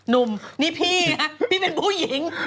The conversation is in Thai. หนุ่มนี่พี่นะพี่เป็นผู้หญิง